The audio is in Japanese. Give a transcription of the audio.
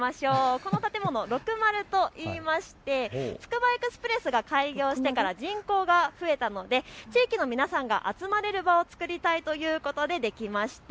この建物、ろくまるといいましてつくばエクスプレスが開業してから人口が増えたので地域の皆さんが集まれる場を作りたいということでできました。